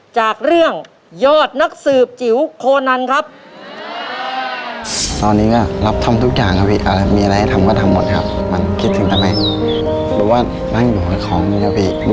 จากเรื่องยอดนักสืบจิ๋วโคนันครับ